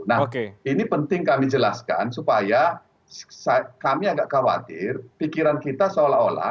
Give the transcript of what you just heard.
nah ini penting kami jelaskan supaya kami agak khawatir pikiran kita seolah olah